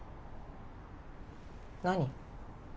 何？